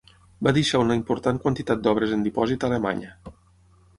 Va deixar una important quantitat d'obres en dipòsit a Alemanya.